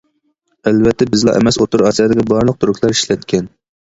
ئەلۋەتتە بىزلا ئەمەس، ئوتتۇرا ئاسىيادىكى بارلىق تۈركلەر ئىشلەتكەن.